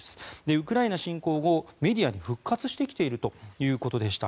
ウクライナ侵攻後メディアに復活してきているということでした。